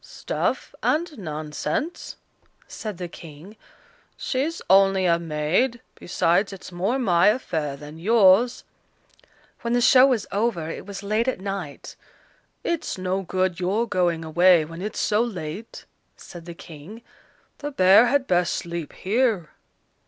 "Stuff and nonsense," said the King; "she's only a maid, besides it's more my affair than yours." When the show was over, it was late at night. "It's no good your going away, when it's so late," said the King. "The bear had best sleep here."